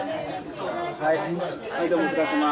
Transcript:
はいどうもお疲れさま。